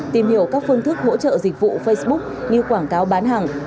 tìm hiểu các phương thức hỗ trợ dịch vụ facebook như quảng cáo bán hàng